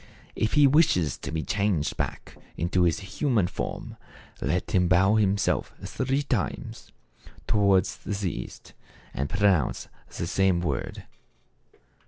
If he wishes to be changed back into his human form, let him bow himself three times towards the east, and pronounce the same word.